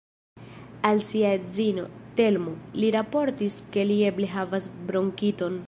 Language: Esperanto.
Al sia edzino, Telmo, li raportis ke li eble havas bronkiton.